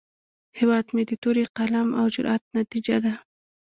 هیواد مې د تورې، قلم، او جرئت نتیجه ده